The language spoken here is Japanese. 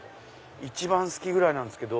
一番好きぐらいなんですけど。